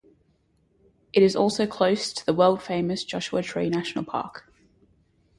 It is also close to the world-famous Joshua Tree National Park.